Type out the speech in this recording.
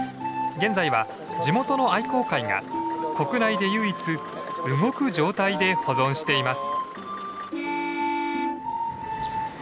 現在は地元の愛好会が国内で唯一動く状態で保存しています。